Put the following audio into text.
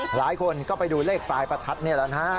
หลายคนก็ไปดูเลขปลายประทัดนี่แหละนะฮะ